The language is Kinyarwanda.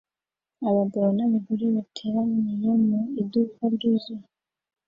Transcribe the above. abagabo n'abagore bateraniye mu iduka ryuzuye